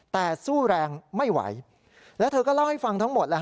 แต่สู้แรงไม่ไหวแล้วเธอก็เล่าให้ฟังทั้งหมด